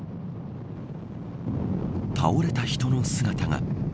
倒れた人の姿が。